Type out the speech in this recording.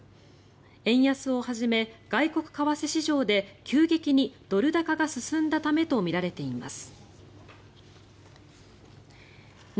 円安をはじめ外国為替市場に急激にドル高が進んだためとみられています。